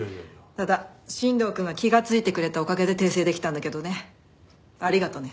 ただ新藤くんが気がついてくれたおかげで訂正できたんだけどね。ありがとね。